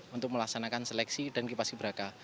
untuk melaksanakan seleksi dan kipas ibraka